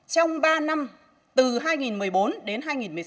trong ba năm từ hai nghìn một mươi bốn đến hai nghìn một mươi sáu